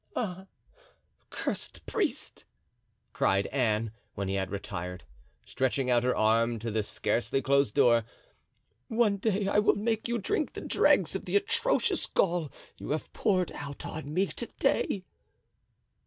"Ah, cursed priest!" cried Anne, when he had retired, stretching out her arm to the scarcely closed door, "one day I will make you drink the dregs of the atrocious gall you have poured out on me to day."